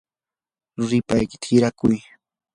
ruripaykita hirakuy.